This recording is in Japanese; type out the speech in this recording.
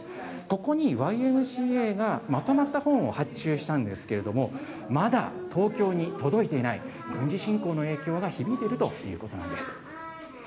ここにＹＭＣＡがまとまった本を発注したんですけれども、まだ東京に届いていない、軍事侵攻の影響が響いているということなんです。